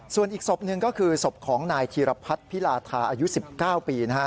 ส่วนอีกศพหนึ่งก็คือศพของนายธีรพัฒน์พิลาทาอายุ๑๙ปี